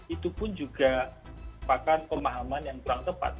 itu pun juga merupakan pemahaman yang kurang tepat